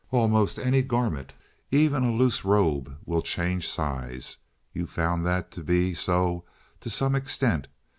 Almost any garment, even a loose robe will change size. You found that to be so to some extent.